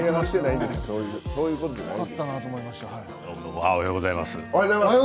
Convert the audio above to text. おはようございます。